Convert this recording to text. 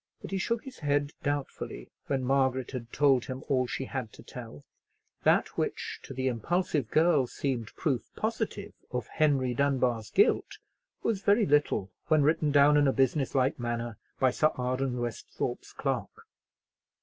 But he shook his head doubtfully when Margaret had told him all she had to tell. That which to the impulsive girl seemed proof positive of Henry Dunbar's guilt was very little when written down in a business like manner by Sir Arden Westhorpe's clerk.